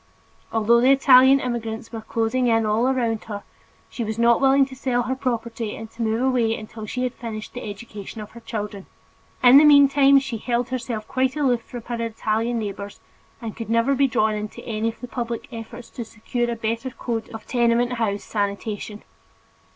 Although the Italian immigrants were closing in all around her, she was not willing to sell her property and to move away until she had finished the education of her children. In the meantime she held herself quite aloof from her Italian neighbors and could never be drawn into any of the public efforts to secure a better code of tenement house sanitation.